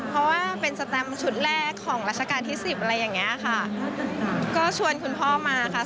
เพราะว่าเป็นสแตมชุดแรกของรัชกาลที่สิบอะไรอย่างเงี้ยค่ะก็ชวนคุณพ่อมาค่ะ